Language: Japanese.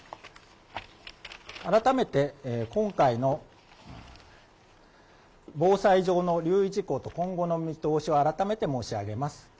改めて今回の防災上の留意事項と今後の見通しを改めて申し上げます。